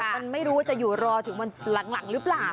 มันไม่รู้ว่าจะอยู่รอถึงวันหลังหรือเปล่า